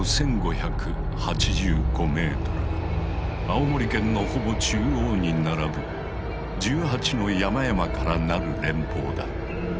青森県のほぼ中央に並ぶ１８の山々から成る連峰だ。